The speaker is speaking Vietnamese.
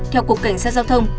theo cục cảnh sát giao thông